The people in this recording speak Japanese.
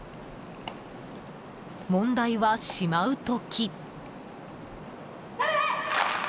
問題は、しまう時。